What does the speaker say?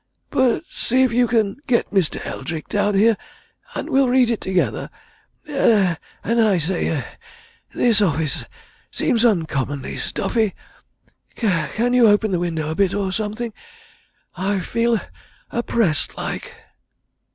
But see if you can get Mr. Eldrick down here, and we'll read it together. And I say this office seems uncommonly stuffy can you open the window a bit or something? I feel oppressed, like."